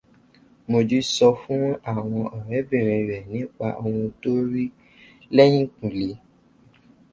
Mojí sọ fún àwọn ọ̀rẹ́bìnrin rẹ̀ nípà oun tó rí lẹ́yìnkùlé